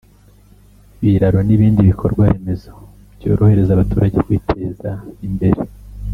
ibiraro n’ibindi bikorwa remezo byorohereza abaturage kwiteza imbere